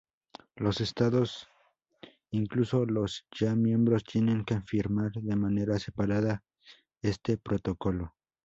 Los estados, incluso los ya miembros, tienen que firmar de manera separada este protocolo.